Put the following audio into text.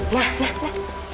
nah nah nah